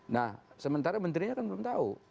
nah sementara menterinya kan belum tahu